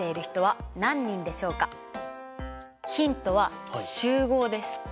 ヒントは「集合」です。